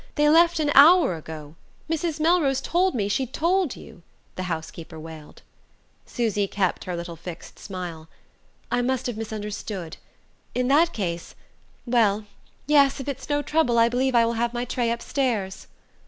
They left an hour ago. Mrs. Melrose told me she'd told you," the house keeper wailed. Susy kept her little fixed smile. "I must have misunderstood. In that case... well, yes, if it's no trouble, I believe I will have my tray upstairs."